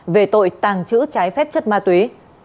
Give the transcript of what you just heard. về tội tàng trữ trái phép chất ma túy